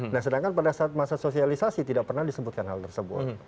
nah sedangkan pada saat masa sosialisasi tidak pernah disebutkan hal tersebut